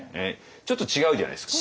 ちょっと違うじゃないですか。